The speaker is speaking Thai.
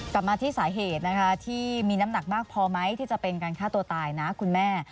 กลับมาที่สาเหตุนะคะที่มีน้ำหนักมากพอไหมที่จะเป็นการฆ่าตัวตายนะคุณแม่